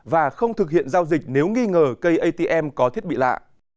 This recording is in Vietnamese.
và không thực hiện giao dịch nếu nghi ngờ cây atm có thiết bị lạ